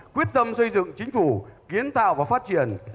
quyết tâm xây dựng chính phủ kiến tạo và phát triển